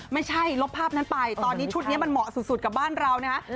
ไม่ใช่ลบภาพนั้นไปตอนนี้ชุดนี้มันเหมาะสุดกับบ้านเรานะฮะ